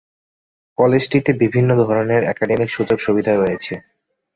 কলেজটিতে বিভিন্ন ধরনের একাডেমিক সুযোগ সুবিধা রয়েছে।